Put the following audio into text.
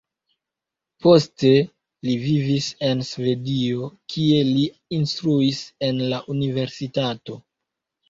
Poste li vivis en Svedio, kie li instruis en la universitato.